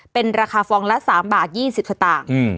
เป็นราคาฟองละสามบาทยี่สิบสตางค์อืม